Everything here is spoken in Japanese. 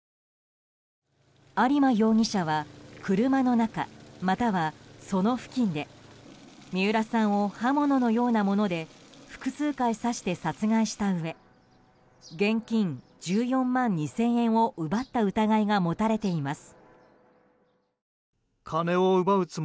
有馬容疑者は車の中または、その付近で三浦さんを刃物のようなもので複数回刺して殺害したうえ現金１４万２０００円を奪った疑いが持たれています。